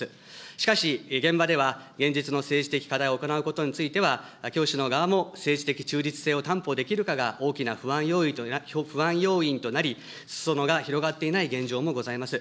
しかし、現場では現実の政治的課題を行うことについては、教師の側も政治的中立性を担保できるかが大きな不安要因となり、すそ野が広がっていない現状もございます。